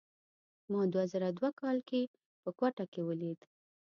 ما دوه زره دوه کال کې په کوټه کې ولید.